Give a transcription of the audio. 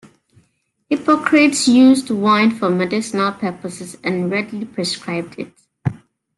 Hippocrates used wine for medicinal purposes and readily prescribed it.